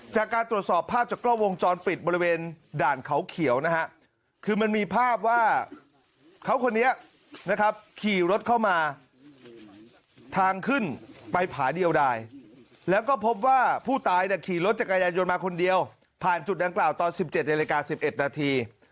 จากการตรวจสอบภาพจากกล้องวงจรปิดบริเวณด่านเขาเขียวนะฮะคือมันมีภาพว่าเขาคนนี้นะครับขี่รถเข้ามาทางขึ้นไปผาเดียวได้แล้วก็พบว่าผู้ตายเนี่ยขี่รถจักรยานยนต์มาคนเดียวผ่านจุดดังกล่าวตอน๑๗นาฬิกา๑๑นาที